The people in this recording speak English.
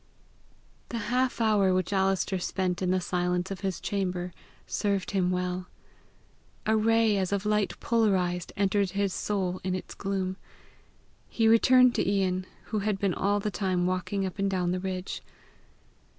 The half hour which Alister spent in the silence of his chamber, served him well: a ray as of light polarized entered his soul in its gloom. He returned to Ian, who had been all the time walking up and down the ridge.